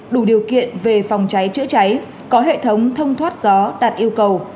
đủ điều kiện về phòng cháy chữa cháy có hệ thống thông thoát gió đạt yêu cầu